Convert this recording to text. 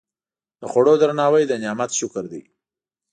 د خوړو درناوی د نعمت شکر دی.